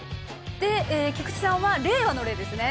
で菊地さんは令和の「令」ですね。